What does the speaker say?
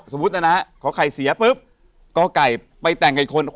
สมมุตินะนะขอไข่เสียปุ๊บกไก่ไปแต่งกับอีกคน